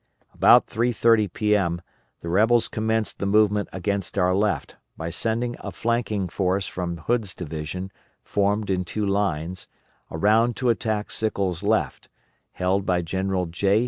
About 3.30 P.M. the rebels commenced the movement against our left, by sending a flanking force from Hood's division, formed in two lines, around to attack Sickles' left, held by General J.